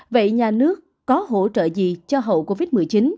vậy nhà nước có hỗ trợ gì cho hậu covid một mươi chín